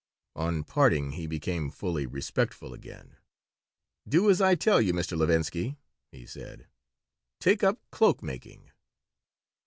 On parting he became fully respectful again. "Do as I tell you, Mr. Levinsky," he said. "Take up cloak making."